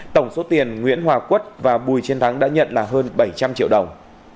tổng số tiền nguyễn hòa quất và bùi chiến thắng đã nhận là hơn bảy trăm linh triệu đồng